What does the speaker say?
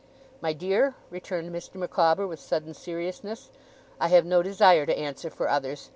'My dear,' returned Mr. Micawber with sudden seriousness, 'I have no desire to answer for others.